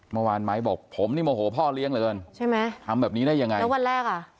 เมื่อวานไม้บอกผมนี่โมโหพ่อเลี้ยงเหลือเกินใช่ไหมทำแบบนี้ได้ยังไงแล้ววันแรกอ่ะ